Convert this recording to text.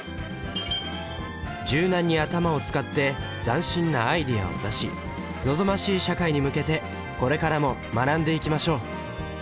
柔軟に頭を使って斬新なアイデアを出し望ましい社会に向けてこれからも学んでいきましょう！